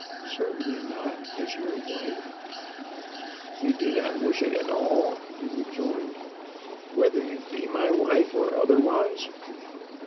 "Certainly not, as your wife." "You do not wish it at all," he rejoined, "whether you be my wife or otherwise?"